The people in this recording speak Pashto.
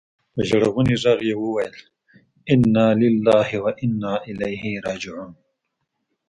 په ژړغوني ږغ يې وويل انا لله و انا اليه راجعون.